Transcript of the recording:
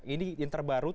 ini yang terbaru tadi